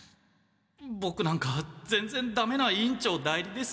ボクなんかぜんぜんダメな委員長代理です。